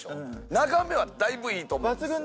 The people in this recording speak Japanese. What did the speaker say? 眺めはだいぶいいと思います。